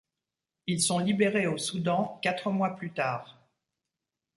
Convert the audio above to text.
Ils sont libérés au Soudan quatre mois plus tard.